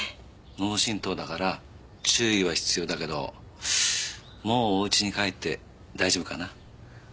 脳振盪だから注意は必要だけどもうお家に帰って大丈夫かな。